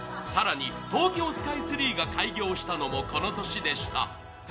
更に東京スカイツリーが開業したのもこの年でした。